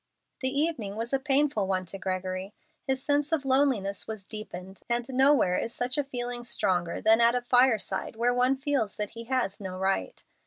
The evening was a painful one to Gregory. His sense of loneliness was deepened, and nowhere is such a feeling stronger than at a fireside where one feels that he has no right.